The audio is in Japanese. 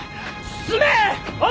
進め！